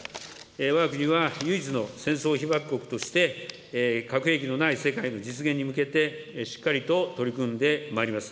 わが国は唯一の戦争被爆国として、核兵器のない世界の実現に向けてしっかりと取り組んでまいります。